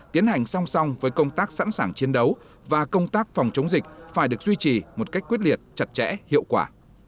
tiến hành song song với công tác sẵn sàng chiến đấu và công tác phòng chống dịch phải được duy trì một cách quyết liệt chặt chẽ hiệu quả